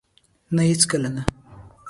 نه! هیڅکله نه